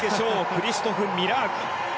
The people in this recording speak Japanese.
クリシュトフ・ミラーク。